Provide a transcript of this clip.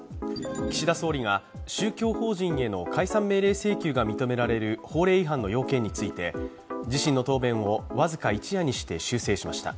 岸田総理が宗教法人への解散命令請求が認められる法令違反の要件について自身の答弁を僅か一夜にして修正しました。